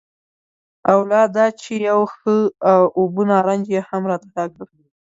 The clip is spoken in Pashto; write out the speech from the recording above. او لا دا چې یو ښه اوبه نارنج یې هم راته راکړ.